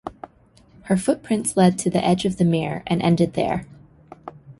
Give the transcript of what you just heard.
Her footprints led to the edge of the mere, and ended there.